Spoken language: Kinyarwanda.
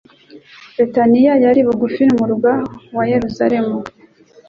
Betaniya yari bugufi bw'umurwa wa Yerusalemu,